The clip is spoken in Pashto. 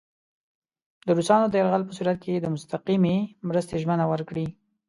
د روسانو د یرغل په صورت کې د مستقیمې مرستې ژمنه ورکړي.